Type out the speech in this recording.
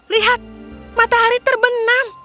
lihat matahari terbenam